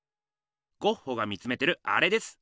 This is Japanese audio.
ゴッホが見つめてるアレです。